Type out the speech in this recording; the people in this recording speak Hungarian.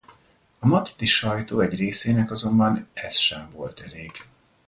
A madridi sajtó egy részének azonban ez sem volt elég.